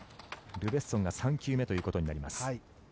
ルベッソンが３球目ということになります。